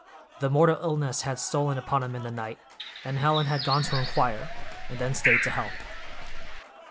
The mortal illness had stolen upon him in the night, and Helen had gone to inquire, and then stayed to help.